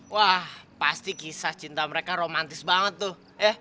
wah pasti kisah cinta mereka romantis banget tuh